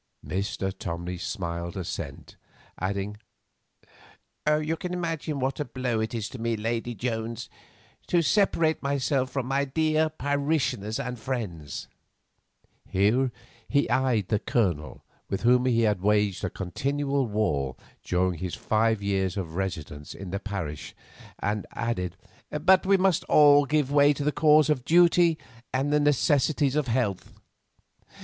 Mr. Tomley smiled assent, adding: "You can imagine what a blow it is to me, Lady Jones, to separate myself from my dear parishioners and friends"—here he eyed the Colonel, with whom he had waged a continual war during his five years of residence in the parish, and added: "But we must all give way to the cause of duty and the necessities of health.